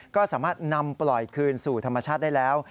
ก็สามารถนำปล่อยคืนสู่ธรรมชาติได้แล้ว